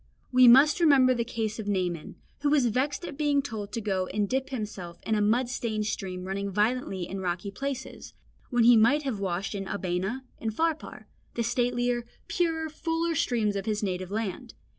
We must remember the case of Naaman, who was vexed at being told to go and dip himself in a mud stained stream running violently in rocky places, when he might have washed in Abana and Pharpar, the statelier, purer, fuller streams of his native land.